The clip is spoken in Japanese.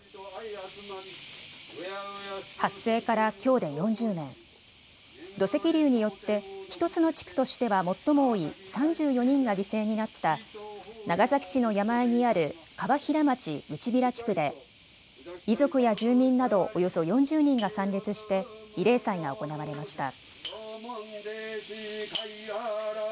発生からきょうで４０年、土石流によって１つの地区としては最も多い３４人が犠牲になった長崎市の山あいにある川平町内平地区で遺族や住民などおよそ４０人が参列して慰霊祭が行われました。